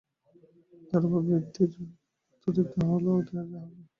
আর অভাবের বৃদ্ধির অর্থ হইল অতৃপ্ত বাসনা, যাহা কখনও প্রশমিত হইবে না।